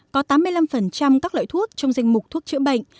có tám mươi năm các loại thuốc trong danh mục thuốc chữa bệnh